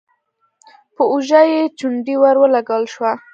په اوږه يې چونډۍ ور ولګول شوه: